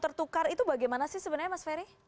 tertukar itu bagaimana sih sebenarnya mas ferry